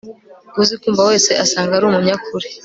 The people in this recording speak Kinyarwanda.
uzi kumva wese asanga ari amanyakuri